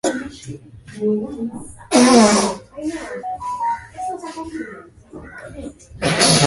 makinda ambaye ni mbunge wa jombe magharibi aliwashinda wenzake anna abdala na cate kamba